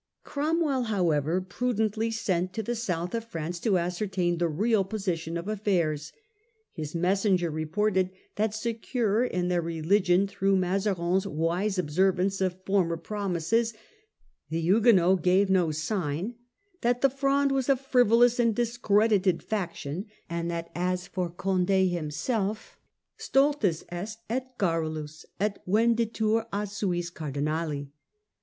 Cromwell however prudently sent to the south of France to ascertain the real position of affairs. His messenger reported that, secure in their religion through Mazarin's wise observance of former promises, the Huguenots gave no sign ; that the Fronde was a frivolous and discredited faction ; and that as for Conde himself, 1 stultus est et garrulus, et venditur a suis Cardinali.